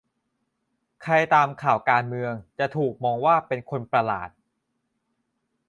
ใครตามข่าวการเมืองจะถูกมองว่าเป็นคนประหลาด